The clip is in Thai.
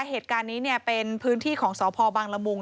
เหตุการณ์นี้เป็นพื้นที่ของสพบังละมุง